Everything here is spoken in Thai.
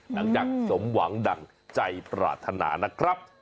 หลังจากสมหวังดั่งใจปรารถนานะครับ